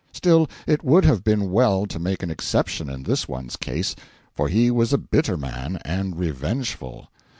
Still, it would have been well to make an exception in this one's case, for he was a bitter man, and revengeful.